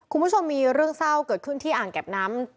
คุณผู้ชมมีเรื่องเศร้าเกิดขึ้นที่อ่างเก็บน้ำ